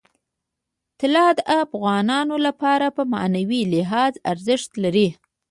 طلا د افغانانو لپاره په معنوي لحاظ ارزښت لري.